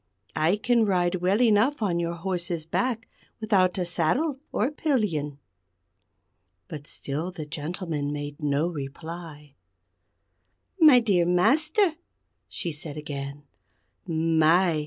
I can ride well enough on your horse's back without a saddle or pillion." But still the gentleman made no reply. "My dear Master," she said again, "My!